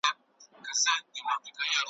زما ځالۍ چي یې لمبه کړه د باغوان کیسه کومه `